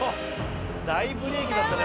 大ブレーキだったね。